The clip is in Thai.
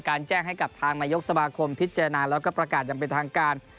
การแจ้งให้กับทางมายกษมนธ์สมาคมพิจารณาแล้วก็ประกาศจำเป็นทางการ